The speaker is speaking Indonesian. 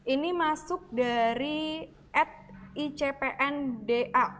ini masuk dari at icpnda